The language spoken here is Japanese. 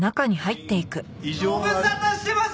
ご無沙汰してます